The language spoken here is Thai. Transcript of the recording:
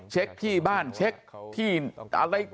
เช็คที่บ้านเช็คที่อะไร